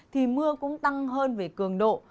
thì mưa cũng tăng hơn về cường độ